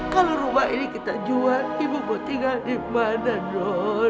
kalau rumah ini kita jual ibu mau tinggal di mana don